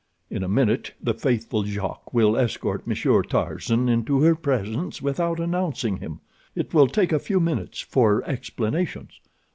In a minute the faithful Jacques will escort Monsieur Tarzan into her presence without announcing him. It will take a few minutes for explanations.